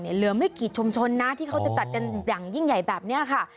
เหลือไม่กี่ชุมชนนะที่เขาจะจัดกันอย่างยิ่งใหญ่แบบนี้ค่ะ